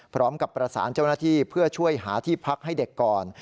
พร้อมกับประสานเจ้าหน้าที่เพื่อช่วยหาที่พักให้เด็กก่อน